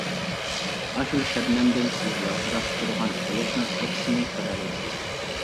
ئاشۇ شەبنەمدىن سىز يالتىراپ تۇرغان قۇياشنىڭ ئەكسىنى كۆرەلەيسىز.